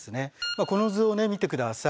この図を見て下さい。